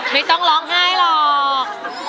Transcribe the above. ไม่ต้องร้องไห้หรอก